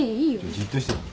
じっとしてろよ。